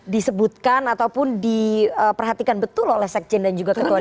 disebutkan ataupun diperhatikan betul oleh sekjen dan juga ketua dpr